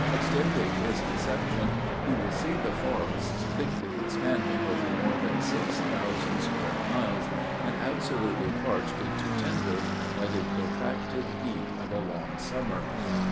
Extending his conception, he will see the forests thickly expanding over more than six thousand square miles, and absolutely parched into tinder by the protracted heat of a long summer.